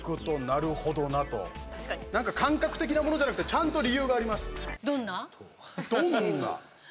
なんか感覚的なものじゃなくてちゃんと理由があります。